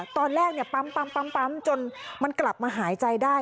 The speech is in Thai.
ตอนแรกเนี่ยปั๊มปั๊มปั๊มปั๊มจนมันกลับมาหายใจได้